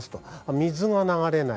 水が流れない。